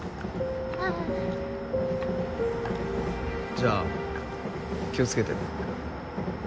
じゃあ気を付けて。